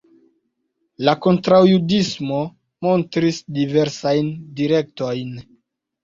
La kontraŭjudismo montris diversajn direktojn.